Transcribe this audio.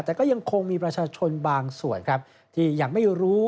แต่ก็ยังคงมีประชาชนบางส่วนครับที่ยังไม่รู้